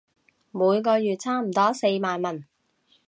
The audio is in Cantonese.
每個月差唔多四萬文